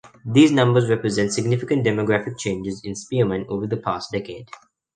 These numbers represent significant demographic changes in Spearman over the past decade.